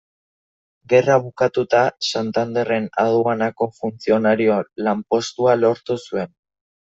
Gerra bukatuta, Santanderren aduanako funtzionario lanpostua lortu zuen.